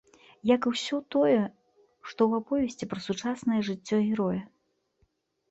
Як і ўсё тое, што ў аповесці пра сучаснае жыццё героя.